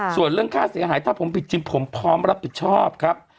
ส่วนเรื่องค่าเสียหายถ้าผมผิดจริงผมพร้อมรับผิดชอบครับ